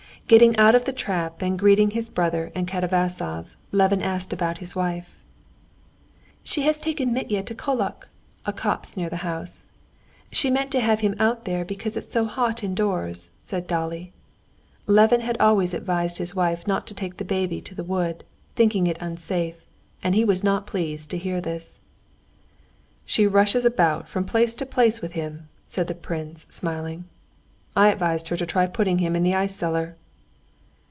Getting out of the trap and greeting his brother and Katavasov, Levin asked about his wife. "She has taken Mitya to Kolok" (a copse near the house). "She meant to have him out there because it's so hot indoors," said Dolly. Levin had always advised his wife not to take the baby to the wood, thinking it unsafe, and he was not pleased to hear this. "She rushes about from place to place with him," said the prince, smiling. "I advised her to try putting him in the ice cellar."